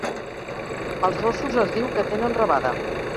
Els gossos es diu que tenen rabada.